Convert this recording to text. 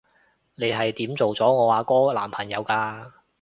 你係點做咗我阿哥男朋友㗎？